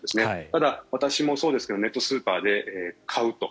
ただ、私もそうですけどネットスーパーで買うと。